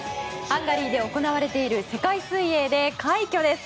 ハンガリーで行われている世界水泳で快挙です。